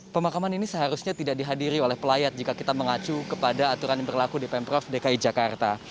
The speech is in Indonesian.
pemakaman ini seharusnya tidak dihadiri oleh pelayat jika kita mengacu kepada aturan yang berlaku di pemprov dki jakarta